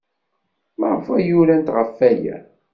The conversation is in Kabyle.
Maɣef ay urant ɣef waya?